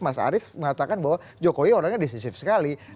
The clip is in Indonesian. mas arief mengatakan bahwa jokowi orangnya desisif sekali